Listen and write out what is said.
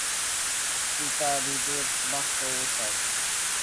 কিতাবীদের ভাষ্যও তাই।